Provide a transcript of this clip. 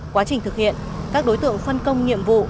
quá trình thực hiện các đối tượng phân công nhiệm vụ